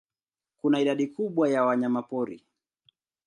Kuna idadi kubwa ya wanyamapori.